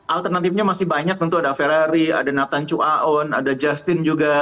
alternatifnya masih banyak tentu ada ferrari ada nathan chu aon ada justin juga